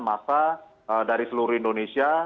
massa dari seluruh indonesia